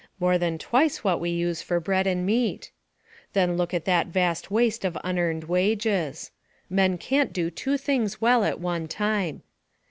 More than twice what we use for bread and meat. Then look at that vast waste of unearned wages. Man can't do two things well at one time.